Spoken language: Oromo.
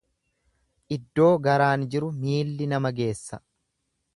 Iddoo garaan jiru miilli nama geessa.